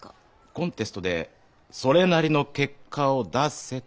コンテストでそれなりの結果を出せということです。